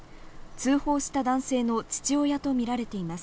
通報した男性の父親とみられています。